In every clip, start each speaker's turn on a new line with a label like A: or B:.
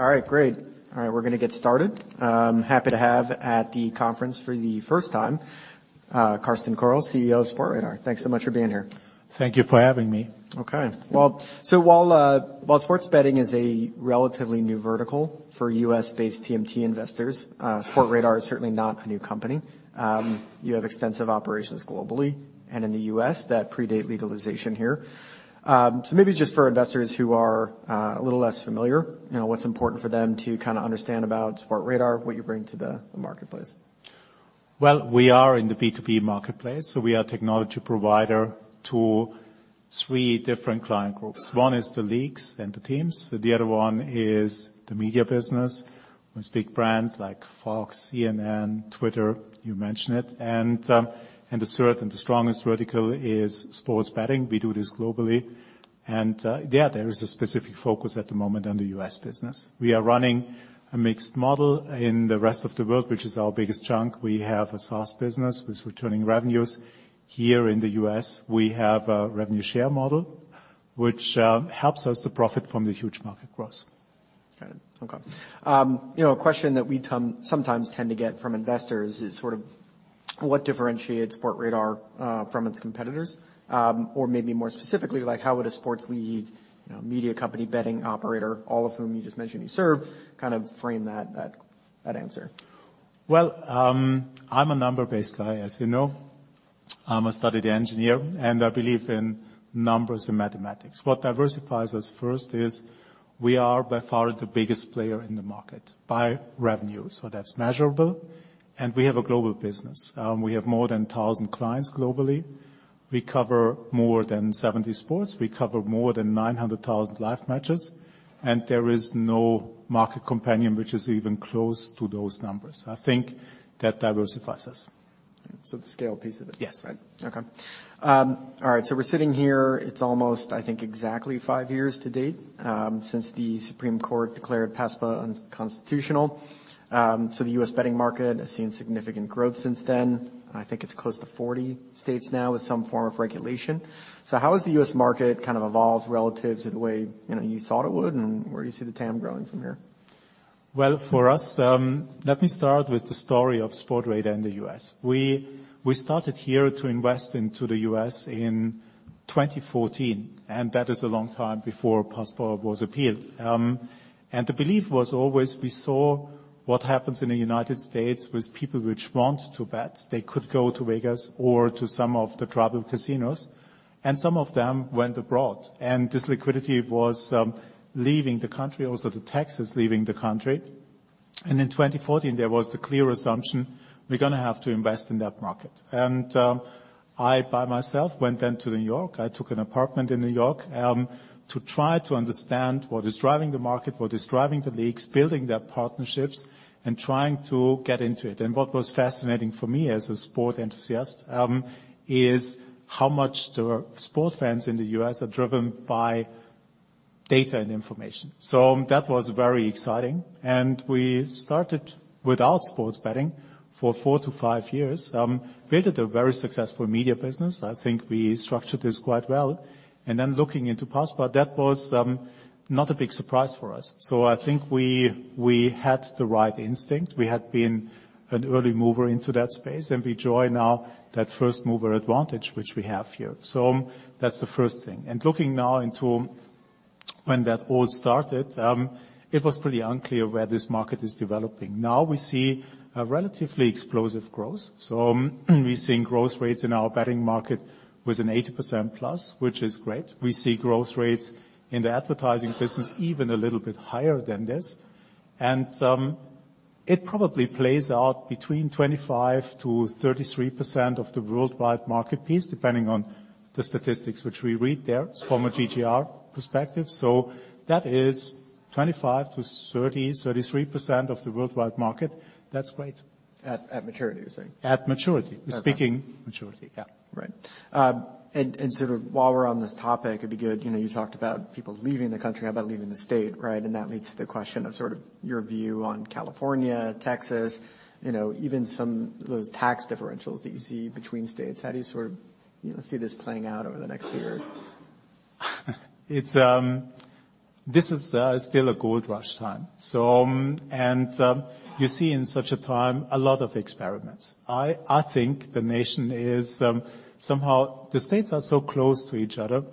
A: All right, great. All right, we're gonna get started. Happy to have at the conference for the first time, Carsten Koerl, CEO of Sportradar. Thanks so much for being here.
B: Thank you for having me.
A: Okay. Well, while sports betting is a relatively new vertical for US-based TMT investors, Sportradar is certainly not a new company. You have extensive operations globally and in the US that predate legalization here. Maybe just for investors who are a little less familiar, you know, what's important for them to kinda understand about Sportradar, what you bring to the marketplace?
B: Well, we are in the B2B marketplace, we are a technology provider to three different client groups. One is the leagues and the teams. The other one is the media business with big brands like Fox, CNN, Twitter, you mention it. The third and the strongest vertical is sports betting. We do this globally. Yeah, there is a specific focus at the moment on the U.S. business. We are running a mixed model in the rest of the world, which is our biggest chunk. We have a SaaS business with returning revenues. Here in the U.S., we have a revenue share model, which helps us to profit from the huge market growth.
A: Got it. Okay. You know, a question that we sometimes tend to get from investors is sort of what differentiates Sportradar from its competitors, or maybe more specifically, like how would a sports league, you know, media company, betting operator, all of whom you just mentioned you serve, kind of frame that answer?
B: I'm a number-based guy, as you know. I'm a studied engineer. I believe in numbers and mathematics. What diversifies us first is we are by far the biggest player in the market by revenue, so that's measurable. We have a global business. We have more than 1,000 clients globally. We cover more than 70 sports. We cover more than 900,000 live matches. There is no market companion which is even close to those numbers. I think that diversifies us.
A: The scale piece of it?
B: Yes.
A: Right. Okay. All right, we're sitting here. It's almost, I think, exactly five years to date since the Supreme Court declared PASPA unconstitutional. The US betting market has seen significant growth since then. I think it's close to 40 states now with some form of regulation. How has the US market kind of evolved relative to the way, you know, you thought it would, and where do you see the TAM growing from here?
B: Well, for us, let me start with the story of Sportradar in the U.S. We started here to invest into the U.S. in 2014, and that is a long time before PASPA was appealed. The belief was always we saw what happens in the United States with people which want to bet they could go to Vegas or to some of the tribal casinos, and some of them went abroad, and this liquidity was leaving the country. Also, the tax is leaving the country. In 2014, there was the clear assumption we're gonna have to invest in that market. I, by myself, went then to New York. I took an apartment in New York, to try to understand what is driving the market, what is driving the leagues, building their partnerships, and trying to get into it. What was fascinating for me as a sport enthusiast, is how much the sport fans in the U.S. are driven by data and information. That was very exciting. We started without sports betting for four to five years. created a very successful media business. I think we structured this quite well. Looking into PASPA, that was not a big surprise for us. I think we had the right instinct. We had been an early mover into that space, and we enjoy now that first-mover advantage, which we have here. That's the first thing. Looking now into when that all started, it was pretty unclear where this market is developing. We see a relatively explosive growth. We're seeing growth rates in our betting market with an 80%+ which is great. We see growth rates in the advertising business even a little bit higher than this. It probably plays out between 25%-33% of the worldwide market piece, depending on the statistics which we read there from a GGR perspective. That is 25%-33% of the worldwide market. That's great.
A: At maturity, you're saying?
B: At maturity.
A: Okay.
B: Speaking maturity, yeah.
A: Right. Sort of while we're on this topic, it'd be good, you know, you talked about people leaving the country, how about leaving the state, right? That leads to the question of sort of your view on California, Texas, you know, even some of those tax differentials that you see between states. How do you sort of, you know, see this playing out over the next few years?
B: It's, this is still a gold rush time. You see in such a time a lot of experiments. I think the nation is somehow the states are so close to each other,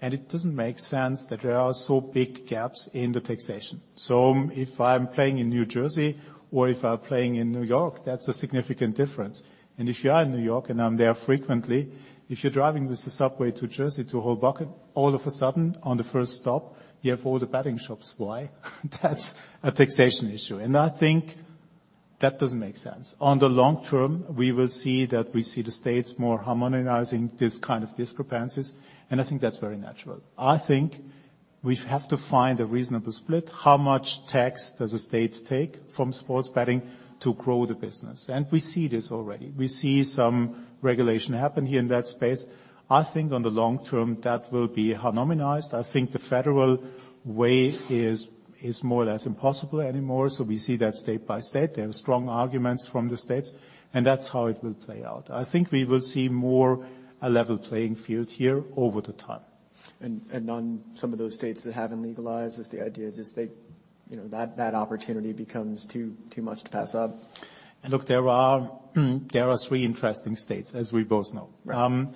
B: and it doesn't make sense that there are so big gaps in the taxation. If I'm playing in New Jersey or if I'm playing in New York, that's a significant difference. If you are in New York, and I'm there frequently, if you're driving with the subway to New Jersey to Hoboken, all of a sudden on the first stop, you have all the betting shops. Why? That's a taxation issue. I think that doesn't make sense. On the long-term, we will see that we see the states more harmonizing this kind of discrepancies, and I think that's very natural. I think we have to find a reasonable split. How much tax does the state take from sports betting to grow the business? We see this already. We see some regulation happen here in that space. I think on the long-term, that will be harmonized. I think the federal way is more or less impossible anymore. We see that state by state. There are strong arguments from the states, and that's how it will play out. I think we will see more a level playing field here over the time.
A: On some of those states that haven't legalized, is the idea just they, you know, that opportunity becomes too much to pass up?
B: Look, there are three interesting states, as we both know.
A: Right.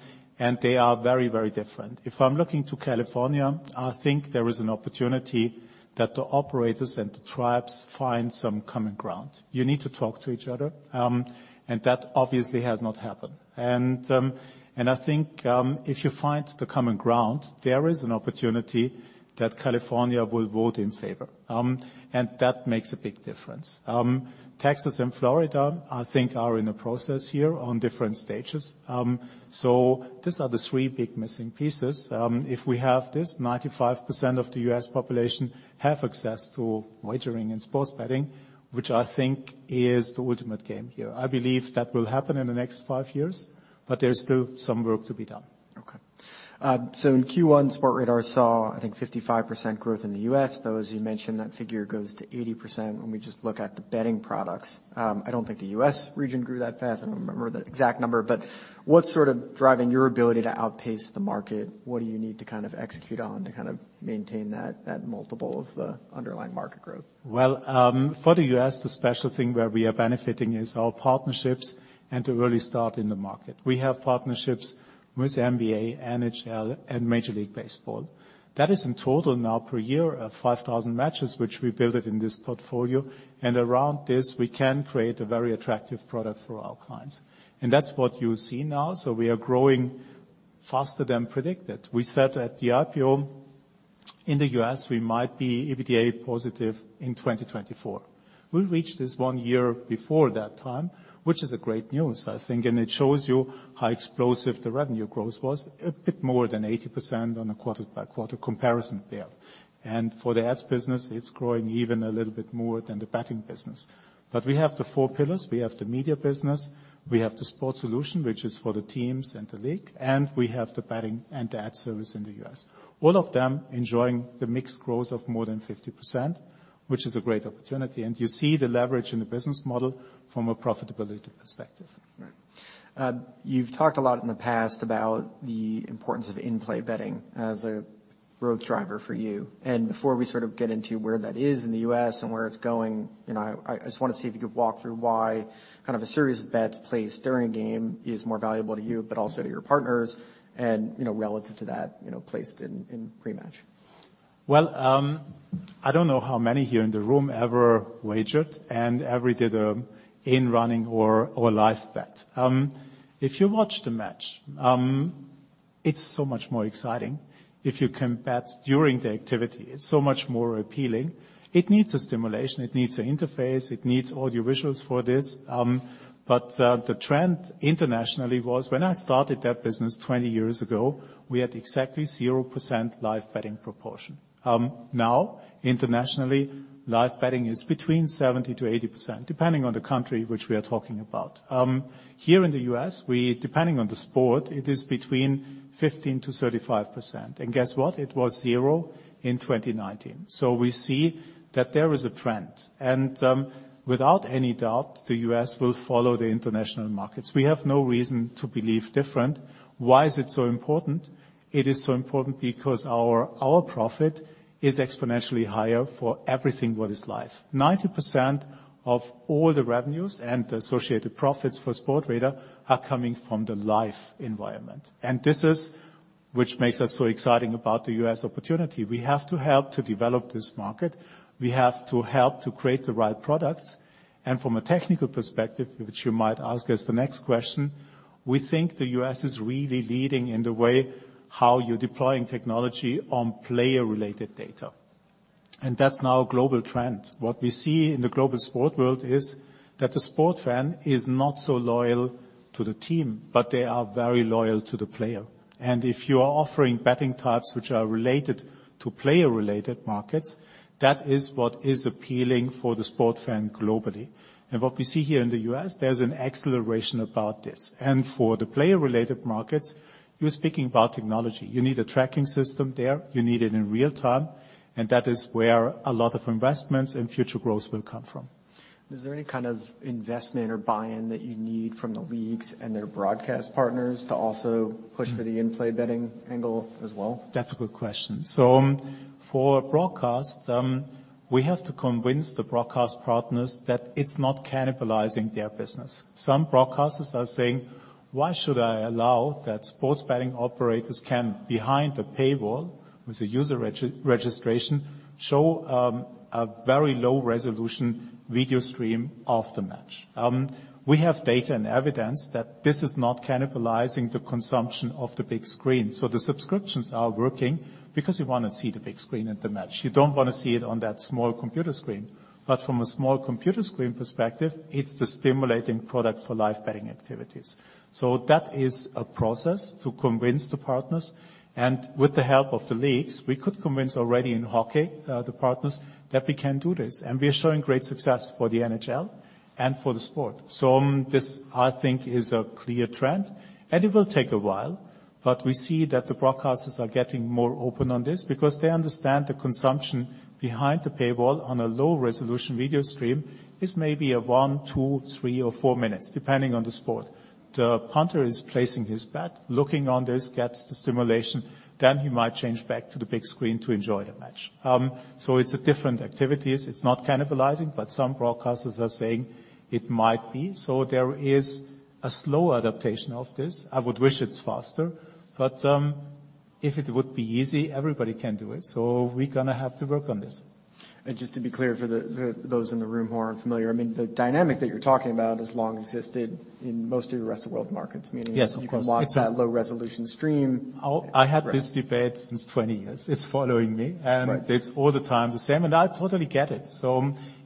B: They are very, very different. If I'm looking to California, I think there is an opportunity that the operators and the tribes find some common ground. You need to talk to each other, that obviously has not happened. I think if you find the common ground, there is an opportunity that California will vote in favor. That makes a big difference. Texas and Florida, I think are in a process here on different stages. These are the three big missing pieces. If we have this, 95% of the U.S. population have access to wagering and sports betting, which I think is the ultimate game here. I believe that will happen in the next five years, but there's still some work to be done.
A: In Q1, Sportradar saw, I think 55% growth in the U.S. Though, as you mentioned, that figure goes to 80% when we just look at the betting products. I don't think the U.S. region grew that fast. I don't remember the exact number, but what's sort of driving your ability to outpace the market? What do you need to kind of execute on to kind of maintain that multiple of the underlying market growth?
B: For the U.S., the special thing where we are benefiting is our partnerships and the early start in the market. We have partnerships with NBA, NHL, and Major League Baseball. That is in total now per year, 5,000 matches, which we build it in this portfolio. Around this, we can create a very attractive product for our clients. That's what you see now. We are growing faster than predicted. We said at the IPO, in the U.S., we might be EBITDA positive in 2024. We'll reach this one year before that time, which is a great news, I think, and it shows you how explosive the revenue growth was, a bit more than 80% on a quarter-over-quarter comparison there. For the ads business, it's growing even a little bit more than the betting business. We have the four pillars. We have the media business, we have the sport solution, which is for the teams and the league, and we have the betting and the ad service in the U.S. All of them enjoying the mixed growth of more than 50%, which is a great opportunity. You see the leverage in the business model from a profitability perspective.
A: Right. You've talked a lot in the past about the importance of in-play betting as a growth driver for you. Before we sort of get into where that is in the U.S., and where it's going, you know, I just want to see if you could walk through why kind of a series of bets placed during a game is more valuable to you, but also to your partners, and, you know, relative to that, you know, placed in pre-match.
B: Well, I don't know how many here in the room ever wagered and ever did a in-running or live bet. If you watch the match, it's so much more exciting if you can bet during the activity. It's so much more appealing. It needs a stimulation, it needs an interface, it needs audio visuals for this. The trend internationally was when I started that business 20 years ago, we had exactly 0% live betting proportion. Internationally, live betting is between 70%-80%, depending on the country which we are talking about. Here in the U.S., we, depending on the sport, it is between 15%-35%. Guess what? It was 0 in 2019. We see that there is a trend. Without any doubt, the U.S. will follow the international markets. We have no reason to believe different. Why is it so important? It is so important because our profit is exponentially higher for everything what is live. 90% of all the revenues and the associated profits for Sportradar are coming from the live environment. This is which makes us so exciting about the U.S. opportunity. We have to help to develop this market. We have to help to create the right products. From a technical perspective, which you might ask as the next question, we think the U.S. is really leading in the way how you're deploying technology on player-related data. That's now a global trend. What we see in the global sport world is that the sport fan is not so loyal to the team, but they are very loyal to the player. If you are offering betting types which are related to player-related markets, that is what is appealing for the sport fan globally. What we see here in the U.S., there's an acceleration about this. For the player-related markets, you're speaking about technology. You need a tracking system there. You need it in real time. That is where a lot of investments and future growth will come from.
A: Is there any kind of investment or buy-in that you need from the leagues and their broadcast partners to also push for the in-play betting angle as well?
B: That's a good question. For broadcast, we have to convince the broadcast partners that it's not cannibalizing their business. Some broadcasters are saying, "Why should I allow that sports betting operators can, behind the paywall with a user registration, show, a very low resolution video stream of the match?" We have data and evidence that this is not cannibalizing the consumption of the big screen. The subscriptions are working because you wanna see the big screen and the match. You don't wanna see it on that small computer screen. From a small computer screen perspective, it's the stimulating product for live betting activities. That is a process to convince the partners. With the help of the leagues, we could convince already in hockey, the partners that we can do this. We are showing great success for the NHL and for the sport. This, I think, is a clear trend, and it will take a while, but we see that the broadcasters are getting more open on this because they understand the consumption behind the paywall on a low-resolution video stream is maybe a one, two, three, or four minutes, depending on the sport. The punter is placing his bet, looking on this, gets the stimulation, then he might change back to the big screen to enjoy the match. It's a different activities. It's not cannibalizing, but some broadcasters are saying it might be. There is a slow adaptation of this. I would wish it's faster, but if it would be easy, everybody can do it. We're gonna have to work on this.
A: Just to be clear for those in the room who aren't familiar, I mean, the dynamic that you're talking about has long existed in most of the rest of world markets.
B: Yes, of course.
A: Meaning you can watch that low-resolution stream.
B: Oh, I had this debate since 20 years. It's following me.
A: Right.
B: It's all the time the same, and I totally get it.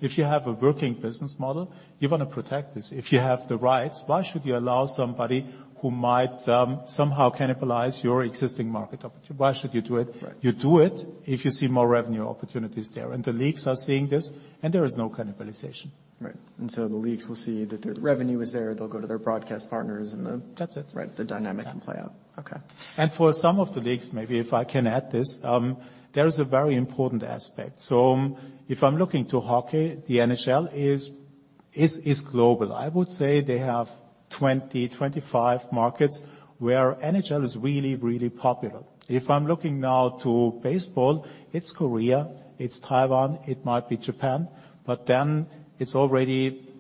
B: If you have a working business model, you wanna protect this. If you have the rights, why should you allow somebody who might somehow cannibalize your existing market opportunity? Why should you do it?
A: Right.
B: You do it if you see more revenue opportunities there. The leagues are seeing this, and there is no cannibalization.
A: Right. The leagues will see that the revenue is there. They'll go to their broadcast partners and.
B: That's it.
A: Right. The dynamic can play out. Okay.
B: For some of the leagues, maybe if I can add this, there is a very important aspect. If I'm looking to hockey, the NHL is global. I would say they have 20, 25 markets where NHL is really, really popular. If I'm looking now to baseball, it's Korea, it's Taiwan, it might be Japan,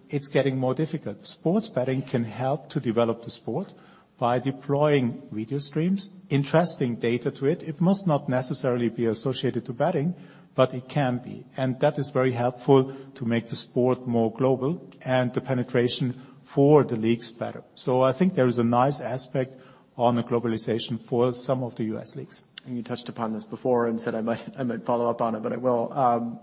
B: it's getting more difficult. Sports betting can help to develop the sport by deploying video streams, interesting data to it. It must not necessarily be associated to betting, but it can be. That is very helpful to make the sport more global and the penetration for the leagues better. I think there is a nice aspect on the globalization for some of the U.S. leagues.
A: You touched upon this before and said I might follow up on it, but I will.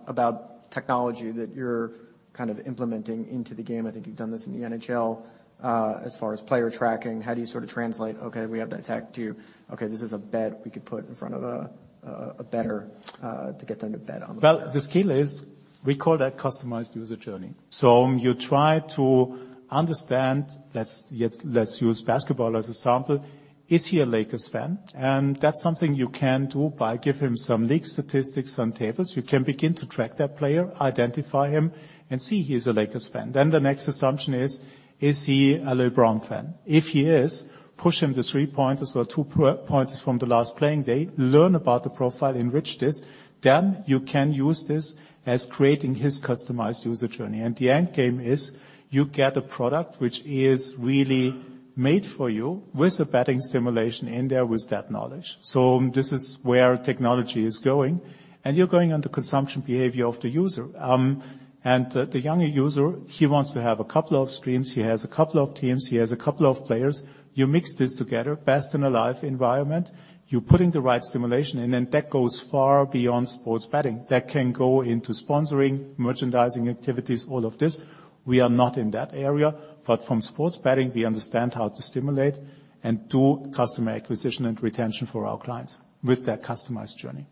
A: About technology that you're kind of implementing into the game, I think you've done this in the NHL, as far as player tracking. How do you sort of translate, okay, we have that tech to you, okay, this is a bet we could put in front of a better, to get them to bet on?
B: The skill is we call that customized user journey. You try to understand, let's use basketball as an example. Is he a Lakers fan? That's something you can do by give him some league statistics on tables. You can begin to track that player, identify him and see he's a Lakers fan. The next assumption is he a LeBron fan? If he is, push him the three-pointers or two-pointers from the last playing day, learn about the profile, enrich this, you can use this as creating his customized user journey. The end game is you get a product which is really made for you with a betting simulation in there with that knowledge. This is where technology is going, you're going on the consumption behavior of the user. The younger user, he wants to have a couple of streams. He has a couple of teams. He has a couple of players. You mix this together, best in a live environment. You put in the right stimulation, and then that goes far beyond sports betting. That can go into sponsoring, merchandising activities, all of this. We are not in that area. From sports betting, we understand how to stimulate and do customer acquisition and retention for our clients with that customized journey.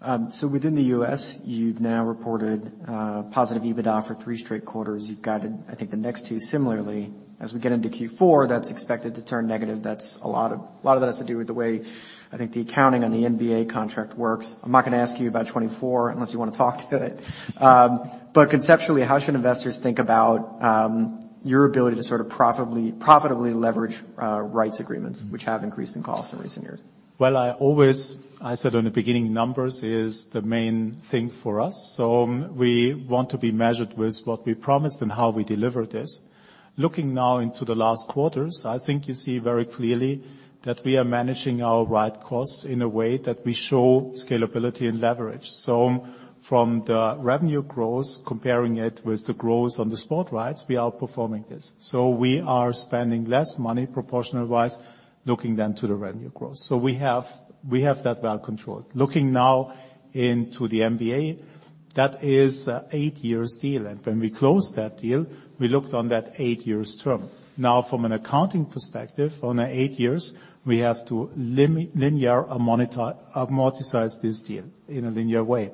A: Got it. Within the US, you've now reported positive EBITDA for three straight quarters. You've guided, I think, the next two similarly. As we get into Q4, that's a lot of it has to do with the way, I think, the accounting on the NBA contract works. I'm not gonna ask you about 2024 unless you wanna talk to it. Conceptually, how should investors think about your ability to sort of profitably leverage rights agreements which have increased in cost in recent years?
B: Well, I always said on the beginning numbers is the main thing for us. We want to be measured with what we promised and how we delivered this. Looking now into the last quarters, I think you see very clearly that we are managing our right costs in a way that we show scalability and leverage. From the revenue growth, comparing it with the growth on the sport rights, we are performing this. We are spending less money proportional-wise, looking then to the revenue growth. We have that well controlled. Looking now into the NBA, that is eight years deal, when we closed that deal, we looked on that eight years term. Now from an accounting perspective, on the eight years, we have to linear amortize this deal in a linear way.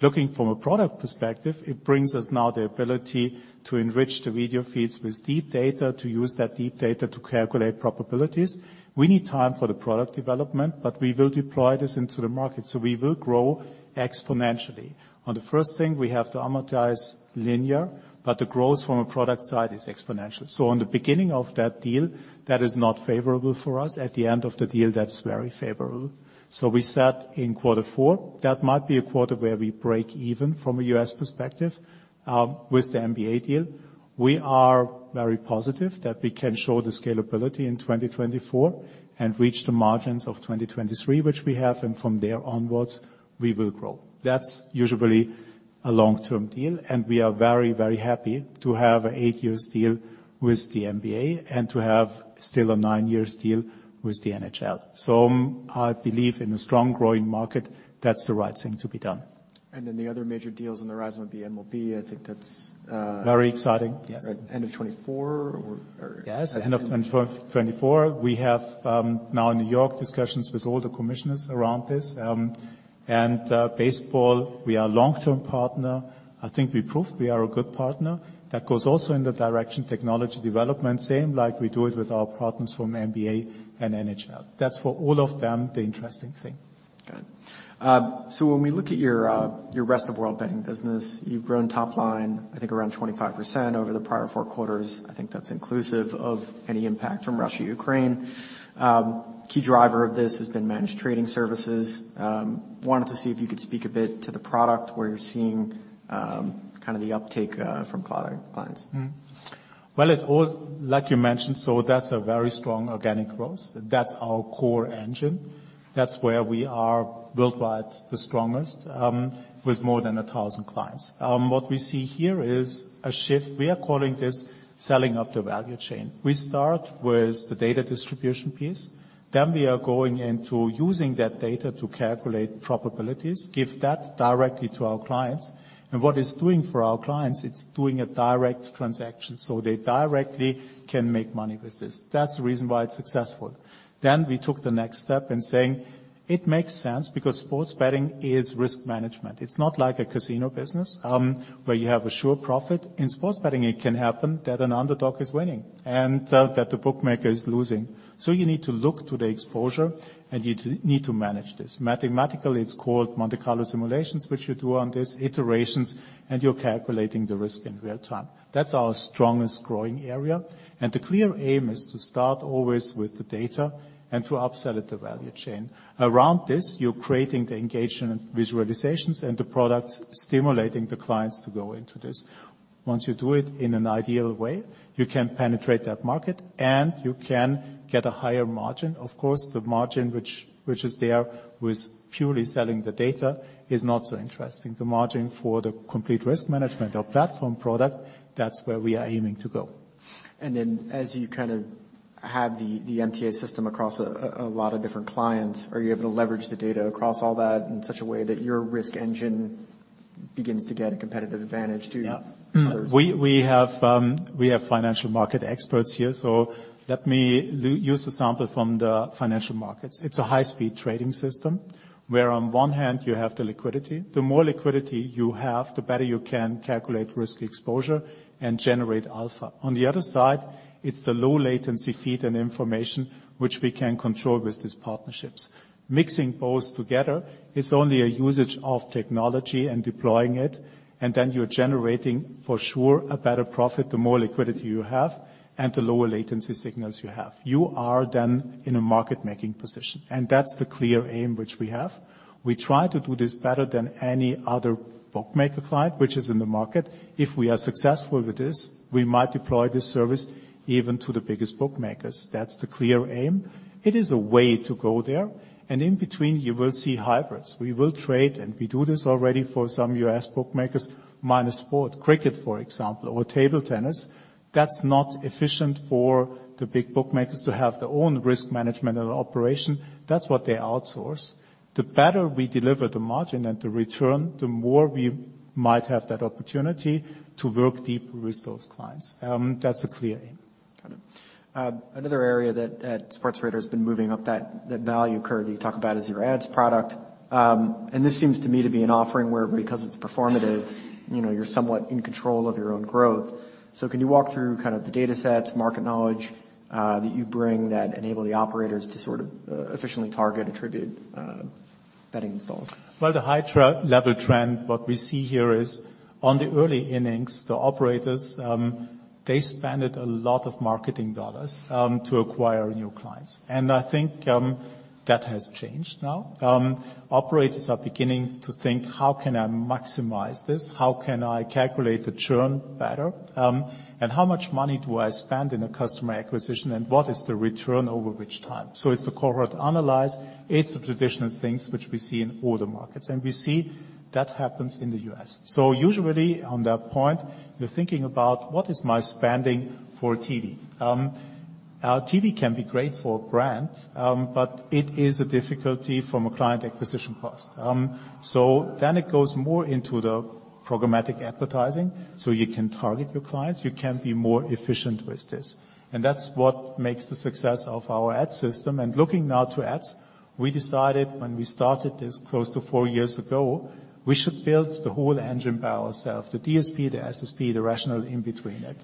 B: Looking from a product perspective, it brings us now the ability to enrich the video feeds with deep data, to use that deep data to calculate probabilities. We need time for the product development, but we will deploy this into the market, so we will grow exponentially. On the first thing, we have to amortize linear, but the growth from a product side is exponential. On the beginning of that deal, that is not favorable for us. At the end of the deal, that's very favorable. We said in quarter four, that might be a quarter where we break even from a U.S. perspective with the NBA deal. We are very positive that we can show the scalability in 2024 and reach the margins of 2023, which we have, and from there onwards, we will grow. That's usually a long-term deal. We are very, very happy to have a eight years deal with the NBA and to have still a 9 years deal with the NHL. I believe in a strong growing market, that's the right thing to be done.
A: The other major deals on the rise would be MLB. I think that's.
B: Very exciting.
A: Yes. End of 2024.
B: Yes. End of 2024. We have now in New York discussions with all the commissioners around this. Baseball, we are long-term partner. I think we proved we are a good partner. That goes also in the direction technology development, same like we do it with our partners from NBA and NHL. That's for all of them, the interesting thing.
A: Good. When we look at your rest of world betting business, you've grown top line, I think around 25% over the prior four quarters. I think that's inclusive of any impact from Russia, Ukraine. Key driver of this has been Managed Trading Services. Wanted to see if you could speak a bit to the product where you're seeing, kind of the uptake, from clients.
B: Like you mentioned, that's a very strong organic growth. That's our core engine. That's where we are worldwide the strongest, with more than 1,000 clients. What we see here is a shift. We are calling this selling up the value chain. We start with the data distribution piece, then we are going into using that data to calculate probabilities, give that directly to our clients, and what it's doing for our clients, it's doing a direct transaction, so they directly can make money with this. That's the reason why it's successful. We took the next step in saying, "It makes sense because sports betting is risk management." It's not like a casino business, where you have a sure profit. In sports betting, it can happen that an underdog is winning and that the bookmaker is losing. You need to look to the exposure, and you need to manage this. Mathematically, it's called Monte Carlo simulations, which you do on these iterations, and you're calculating the risk in real time. That's our strongest growing area, and the clear aim is to start always with the data and to upsell it the value chain. Around this, you're creating the engagement and visualizations and the products stimulating the clients to go into this. Once you do it in an ideal way, you can penetrate that market, and you can get a higher margin. Of course, the margin which is there with purely selling the data is not so interesting. The margin for the complete risk management or platform product, that's where we are aiming to go.
A: As you kind of have the MTA system across a lot of different clients, are you able to leverage the data across all that in such a way that your risk engine begins to get a competitive advantage to others?
B: Yeah. We have financial market experts here, so let me use a sample from the financial markets. It's a high-speed trading system, where on one hand you have the liquidity. The more liquidity you have, the better you can calculate risk exposure and generate alpha. On the other side, it's the low latency feed and information which we can control with these partnerships. Mixing both together is only a usage of technology and deploying it, and then you're generating for sure a better profit the more liquidity you have and the lower latency signals you have. You are then in a market-making position. That's the clear aim which we have. We try to do this better than any other bookmaker client which is in the market. If we are successful with this, we might deploy this service even to the biggest bookmakers. That's the clear aim. It is a way to go there, and in between, you will see hybrids. We will trade, and we do this already for some US bookmakers, minus sport. Cricket, for example, or table tennis, that's not efficient for the big bookmakers to have their own risk management and operation. That's what they outsource. The better we deliver the margin and the return, the more we might have that opportunity to work deep with those clients. That's the clear aim.
A: Got it. Another area that Sportradar has been moving up that value curve that you talk about is your ad:s product. This seems to me to be an offering where because it's performative, you know, you're somewhat in control of your own growth. Can you walk through kind of the datasets, market knowledge that you bring that enable the operators to sort of efficiently target attribute betting installs?
B: Well, the high-level trend, what we see here is on the early innings, the operators, they spent a lot of marketing dollars to acquire new clients. I think that has changed now. Operators are beginning to think, "How can I maximize this? How can I calculate the churn better? And how much money do I spend in a customer acquisition, and what is the return over which time?" It's the cohort analyze. It's the traditional things which we see in all the markets, we see that happens in the U.S. Usually on that point, you're thinking about, "What is my spending for TV?" TV can be great for brand, it is a difficulty from a client acquisition cost. It goes more into the programmatic advertising, you can target your clients. You can be more efficient with this. That's what makes the success of our ad:s system. Looking now to ad:s, we decided when we started this close to four years ago, we should build the whole engine by ourselves, the DSP, the SSP, the rational in between it.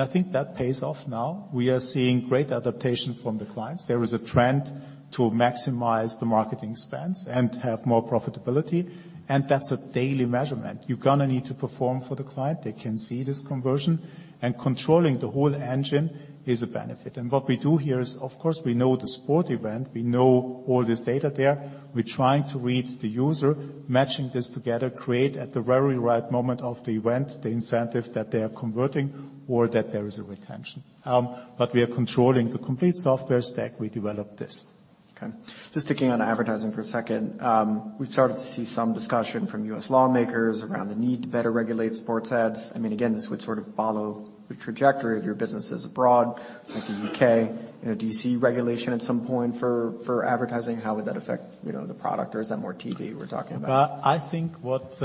B: I think that pays off now. We are seeing great adaptation from the clients. There is a trend to maximize the marketing spends and have more profitability, and that's a daily measurement. You're gonna need to perform for the client. They can see this conversion. Controlling the whole engine is a benefit. What we do here is, of course, we know the sport event. We know all this data there. We're trying to read the user, matching this together, create at the very right moment of the event the incentive that they are converting or that there is a retention. We are controlling the complete software stack. We developed this.
A: Just sticking on advertising for a second. We've started to see some discussion from U.S. lawmakers around the need to better regulate sports ads. I mean, again, this would sort of follow the trajectory of your businesses abroad, like the U.K. You know, do you see regulation at some point for advertising? How would that affect, you know, the product, or is that more TV we're talking about?
B: I think what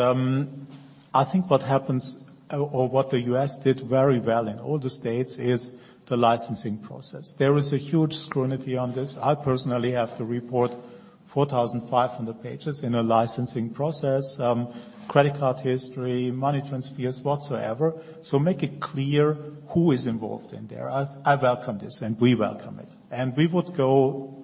B: happens or what the U.S. did very well in all the states is the licensing process. There is a huge scrutiny on this. I personally have to report 4,500 pages in a licensing process, credit card history, money transfers, whatsoever. Make it clear who is involved in there. I welcome this, we welcome it. We would go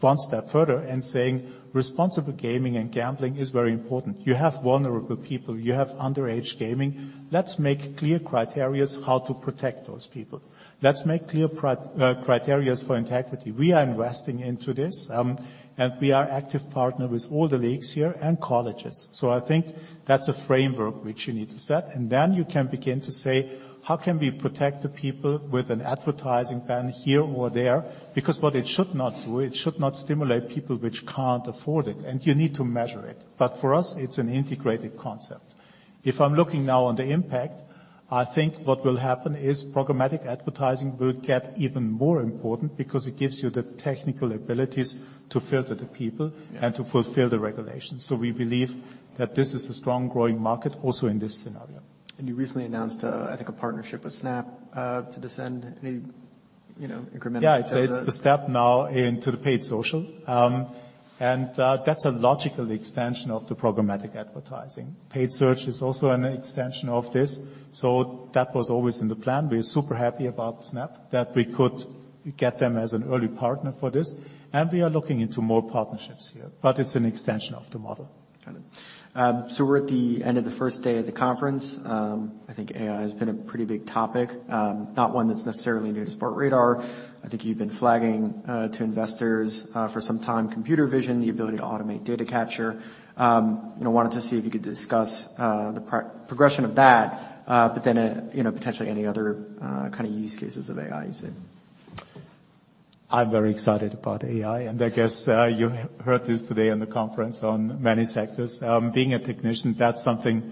B: one step further in saying responsible gaming and gambling is very important. You have vulnerable people. You have underage gaming. Let's make clear criteria how to protect those people. Let's make clear criteria for integrity. We are investing into this, we are active partner with all the leagues here and colleges. I think that's a framework which you need to set, and then you can begin to say, "How can we protect the people with an advertising ban here or there?" What it should not do, it should not stimulate people which can't afford it, and you need to measure it. For us, it's an integrated concept. I'm looking now on the impact. I think what will happen is programmatic advertising will get even more important because it gives you the technical abilities to filter the people.
A: Yeah.
B: To fulfill the regulations. We believe that this is a strong growing market also in this scenario.
A: You recently announced, I think a partnership with Snap to this end. Any, you know, incremental-
B: It's a step now into the paid social. That's a logical extension of the programmatic advertising. Paid search is also an extension of this. That was always in the plan. We're super happy about Snap, that we could get them as an early partner for this, and we are looking into more partnerships here. It's an extension of the model.
A: Got it. We're at the end of the first day of the conference. I think AI has been a pretty big topic. Not one that's necessarily new to Sportradar. I think you've been flagging to investors for some time, Computer Vision, the ability to automate data capture. You know, wanted to see if you could discuss the progression of that, you know, potentially any other kind of use cases of AI you see.
B: I'm very excited about AI. I guess you heard this today in the conference on many sectors. Being a technician, that's something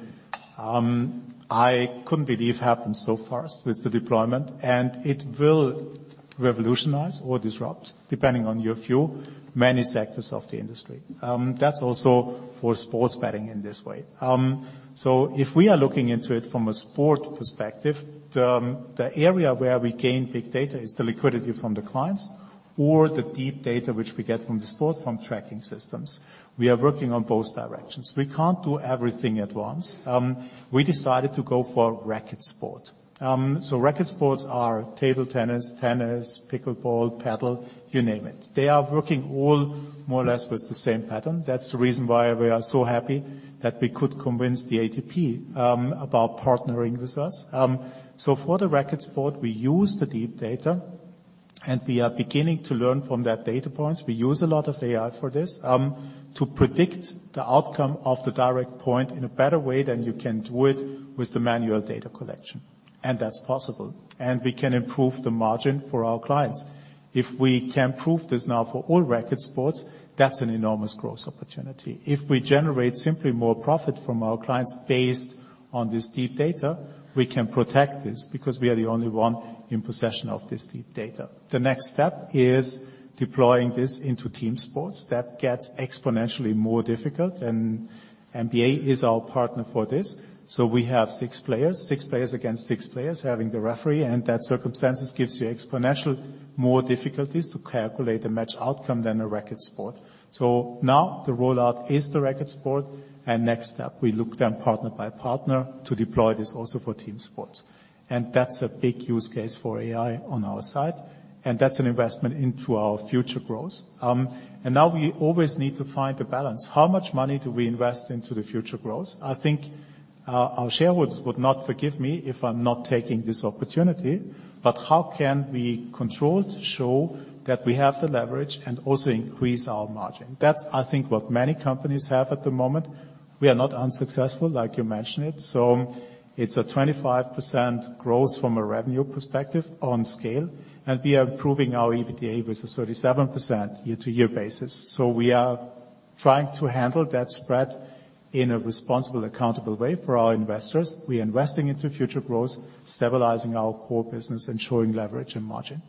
B: I couldn't believe happened so fast with the deployment. It will revolutionize or disrupt, depending on your view, many sectors of the industry. That's also for sports betting in this way. If we are looking into it from a sport perspective, the area where we gain big data is the liquidity from the clients or the deep data which we get from the sport from tracking systems. We are working on both directions. We can't do everything at once. We decided to go for racket sport. Racket sports are table tennis, pickleball, paddle, you name it. They are working all more or less with the same pattern. That's the reason why we are so happy that we could convince the ATP about partnering with us. For the racket sport, we use the deep data, and we are beginning to learn from that data points. We use a lot of AI for this to predict the outcome of the direct point in a better way than you can do it with the manual data collection, and that's possible. We can improve the margin for our clients. If we can prove this now for all racket sports, that's an enormous growth opportunity. If we generate simply more profit from our clients based on this deep data, we can protect this because we are the only one in possession of this deep data. The next step is deploying this into team sports. That gets exponentially more difficult, and NBA is our partner for this. We have six players, six players against six players, having the referee. That circumstances gives you exponential more difficulties to calculate a match outcome than a racket sport. Now the rollout is the racket sport, next step we look then partner by partner to deploy this also for team sports. That's a big use case for AI on our side, that's an investment into our future growth. Now we always need to find a balance. How much money do we invest into the future growth? I think our shareholders would not forgive me if I'm not taking this opportunity, but how can we control to show that we have the leverage and also increase our margin? That's, I think, what many companies have at the moment. We are not unsuccessful, like you mentioned it's a 25% growth from a revenue perspective on scale, and we are improving our EBITDA with a 37% year-over-year basis. We are trying to handle that spread in a responsible, accountable way for our investors. We're investing into future growth, stabilizing our core business, and showing leverage and margin.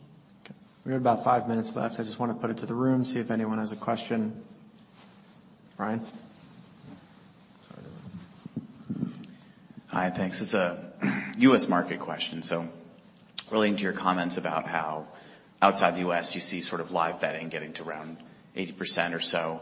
A: Okay. We have about five minutes left. I just wanna put it to the room, see if anyone has a question. Ryan?
C: Hi. Thanks. This is a U.S. market question. Relating to your comments about how outside the U.S. you see sort of live betting getting to around 80% or so.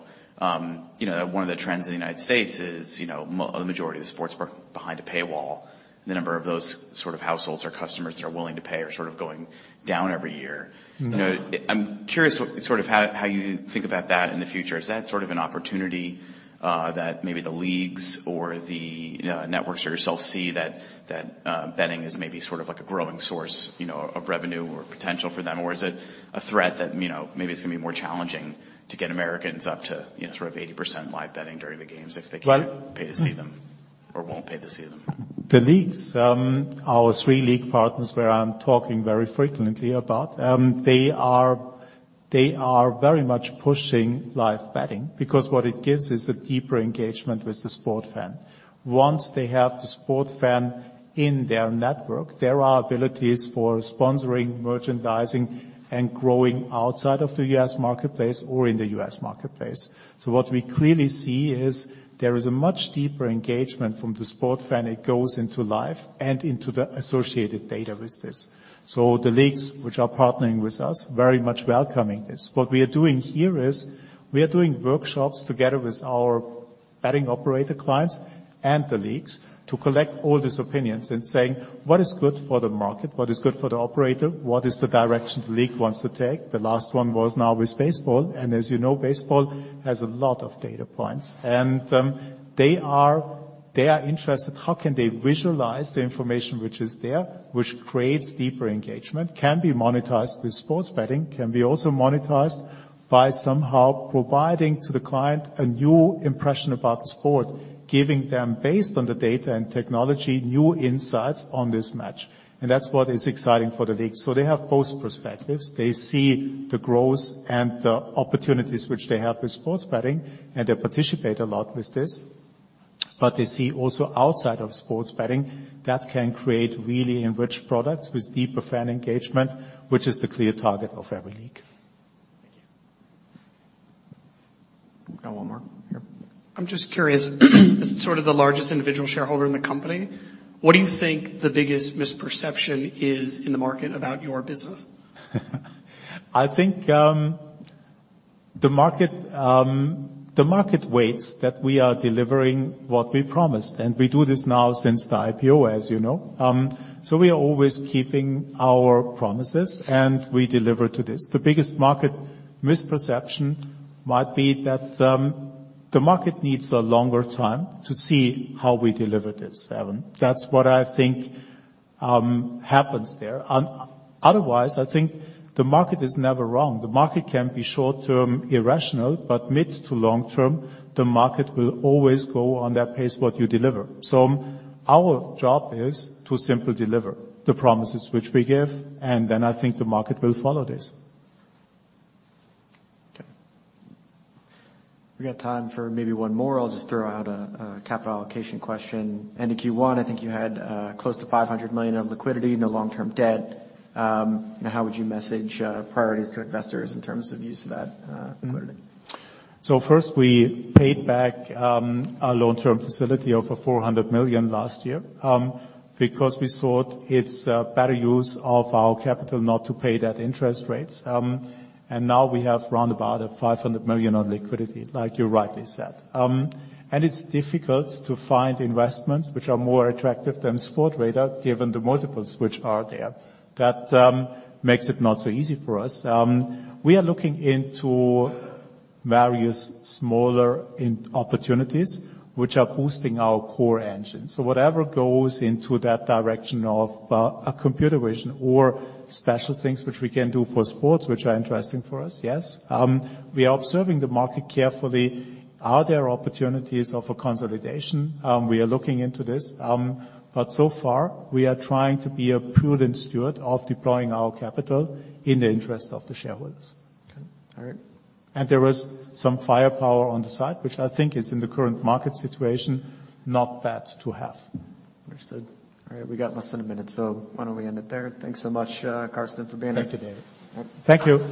C: You know, one of the trends in the United States is, you know, a majority of the sports are behind a paywall. The number of those sort of households or customers that are willing to pay are sort of going down every year.
B: Mm-hmm.
C: You know, I'm curious sort of how you think about that in the future. Is that sort of an opportunity that maybe the leagues or the networks or yourself see that betting is maybe sort of like a growing source, you know, of revenue or potential for them? Or is it a threat that, you know, maybe it's gonna be more challenging to get Americans up to, you know, sort of 80% live betting during the games if they can't-
B: Well-
C: pay to see them or won't pay to see them?
B: The leagues, our three league partners where I'm talking very frequently about, they are very much pushing live betting because what it gives is a deeper engagement with the sport fan. Once they have the sport fan in their network, there are abilities for sponsoring, merchandising, and growing outside of the U.S. marketplace or in the U.S. marketplace. What we clearly see is there is a much deeper engagement from the sport fan. It goes into live and into the associated data with this. The leagues which are partnering with us very much welcoming this. What we are doing here is we are doing workshops together with our betting operator clients and the leagues to collect all these opinions and saying, "What is good for the market? What is good for the operator? What is the direction the league wants to take?" The last one was now with baseball, as you know, baseball has a lot of data points. They are interested, how can they visualize the information which is there, which creates deeper engagement, can be monetized with sports betting, can be also monetized by somehow providing to the client a new impression about the sport, giving them, based on the data and technology, new insights on this match. That's what is exciting for the league. They have both perspectives. They see the growth and the opportunities which they have with sports betting, and they participate a lot with this. They see also outside of sports betting that can create really enriched products with deeper fan engagement, which is the clear target of every league.
A: Thank you. Got one more here.
D: I'm just curious, as sort of the largest individual shareholder in the company, what do you think the biggest misperception is in the market about your business?
B: I think the market, the market waits that we are delivering what we promised, and we do this now since the IPO, as you know. We are always keeping our promises, and we deliver to this. The biggest market misperception might be that the market needs a longer time to see how we deliver this, Evan. That's what I think happens there. Otherwise, I think the market is never wrong. The market can be short-term irrational, but mid to long-term, the market will always go on that pace what you deliver. Our job is to simply deliver the promises which we give, and then I think the market will follow this.
A: Okay. We got time for maybe one more. I'll just throw out a capital allocation question. End of Q1, I think you had close to $500 million of liquidity, no long-term debt. How would you message priorities to investors in terms of use of that liquidity?
B: First, we paid back a long-term facility of $400 million last year because we thought it's a better use of our capital not to pay that interest rates. Now we have round about a $500 million on liquidity, like you rightly said. It's difficult to find investments which are more attractive than Sportradar given the multiples which are there. That makes it not so easy for us. We are looking into various smaller in-opportunities which are boosting our core engine. Whatever goes into that direction of a Computer Vision or special things which we can do for sports which are interesting for us, yes. We are observing the market carefully. Are there opportunities of a consolidation? We are looking into this. So far, we are trying to be a prudent steward of deploying our capital in the interest of the shareholders.
A: Okay. All right.
B: There was some firepower on the side, which I think is, in the current market situation, not bad to have.
A: Understood. We got less than a minute, so why don't we end it there? Thanks so much, Carsten, for being here.
B: Thank you, David.
A: All right.
B: Thank you.